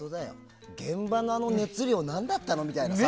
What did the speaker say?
現場の熱量なんだったのみたいな。